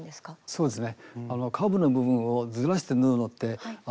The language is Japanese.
そうですね。